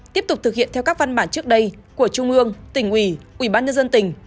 tiếp tục thực hiện theo các văn bản trước đây của trung ương tỉnh ủy ủy ban nhân dân tỉnh